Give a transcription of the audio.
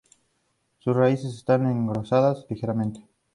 Sus raíces están engrosadas ligeramente.